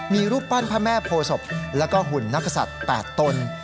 มีรูปปั้นพระแม่โพศพแล้วก็หุ่นนักกษัตริย์๘ตน